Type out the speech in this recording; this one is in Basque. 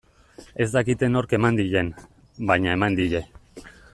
Ez dakite nork eman dien, baina eman die.